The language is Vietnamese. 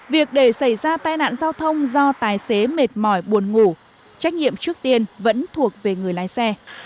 việc để xảy ra tai nạn giao thông do tài xế mệt mỏi buồn ngủ trách nhiệm trước tiên vẫn thuộc về người lái xe